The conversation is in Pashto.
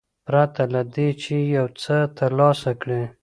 پرته له دې چې یو څه ترلاسه کړي.